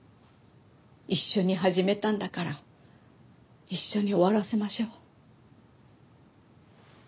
一緒に始めたんだから一緒に終わらせましょ。